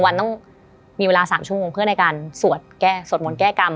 วันต้องมีเวลา๓ชั่วโมงเพื่อในการสวดแก้สวดมนต์แก้กรรม